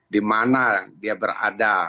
di mana dia berada